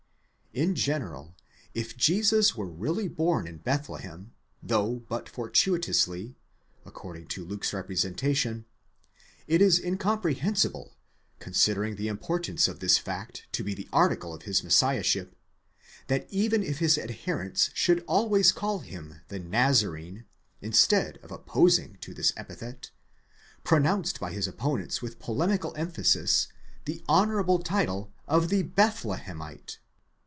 In general, if Jesus were really born in Bethlehem, though but fortuitously (according to. Luke's representation), it is incomprehensible, considering the importance of this fact to the article of his messiahship, that even his own adherents should always call him the Nazarene, instead of opposing to this epithet, pronounced: by his opponents with polemical emphasis, the honourable title of the Beth lehemite.